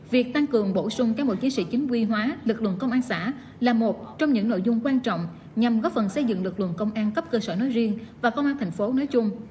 việc tăng cường bổ sung các bộ chiến sĩ chính quy hóa lực lượng công an xã là một trong những nội dung quan trọng nhằm góp phần xây dựng lực lượng công an cấp cơ sở nơi riêng và công an thành phố nói chung